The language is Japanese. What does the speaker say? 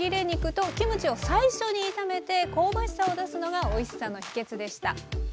肉とキムチを最初に炒めて香ばしさを出すのがおいしさの秘けつでした。